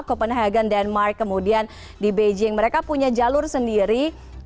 copenhagen denmark kemudian di beijing mereka punya jalur sendiri